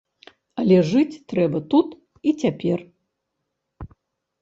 Але жыць трэба тут і цяпер.